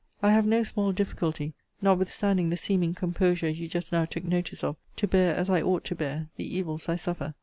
I have no small difficulty, notwithstanding the seeming composure you just now took notice of, to bear, as I ought to bear, the evils I suffer.